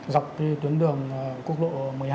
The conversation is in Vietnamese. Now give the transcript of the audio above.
dọc trên tuyến đường quốc lộ một mươi hai